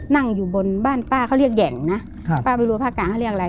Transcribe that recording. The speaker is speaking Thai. นั่งอยู่บนบ้านป้าเขาเรียกแห่งนะครับป้าไม่รู้ว่าภาคกลางเขาเรียกอะไร